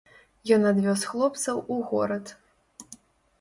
Ён адвёз хлопцаў у горад.